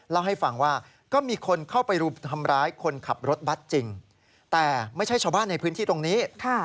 เล่าให้ฟังว่าก็มีคนเข้าไปรุมทำร้ายคนขับรถบัตรจริงแต่ไม่ใช่ชาวบ้านในพื้นที่ตรงนี้